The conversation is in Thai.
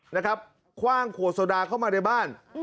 นะครับคว่างขวดโซดาเข้ามาในบ้าน